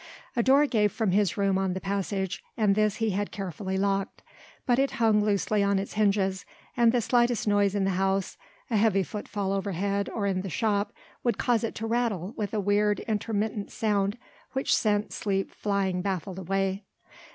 A door gave from this room on the passage and this he had carefully locked; but it hung loosely on its hinges and the slightest noise in the house a heavy footfall overhead or in the shop would cause it to rattle with a weird, intermittent sound which sent sleep flying baffled away.